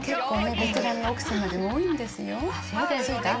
ベテランの奥様でも多いんでそうですか。